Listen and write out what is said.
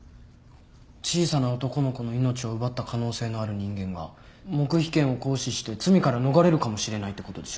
小さな男の子の命を奪った可能性のある人間が黙秘権を行使して罪から逃れるかもしれないってことでしょ？